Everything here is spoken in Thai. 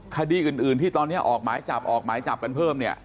คดีอื่นที่ตอนนี้ออกหมายจับออกหมายจับกันเพิ่มเนี่ย